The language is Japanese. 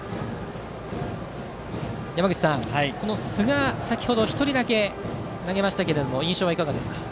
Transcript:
山口さん、寿賀は先程１人だけ投げましたが印象はいかがですか？